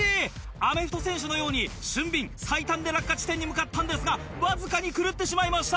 アメフト選手のように俊敏最短で落下地点に向かったんですがわずかに狂ってしまいました。